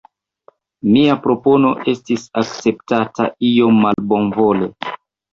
Mia propono estis akceptata iom malbonvole.